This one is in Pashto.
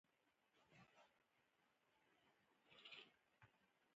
د سپټمبر د یوولسمې تر پيښو دوې اونۍ وروسته، چې امریکا